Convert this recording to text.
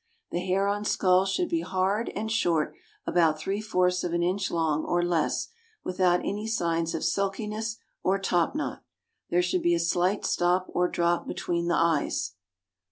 The hair on skull should be hard and short, about three fourths of an inch long, or less, without any signs of silki ness or top knot. There should be a slight stop or drop between the eyes.